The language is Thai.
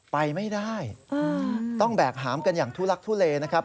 ไปไม่ได้ต้องแบกหามกันอย่างทุลักทุเลนะครับ